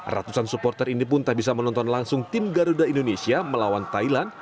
ratusan supporter ini pun tak bisa menonton langsung tim garuda indonesia melawan thailand